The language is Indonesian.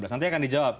nanti akan dijawab